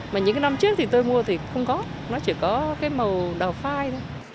mà những cái năm trước thì tôi mua thì không có nó chỉ có cái màu đào phai thôi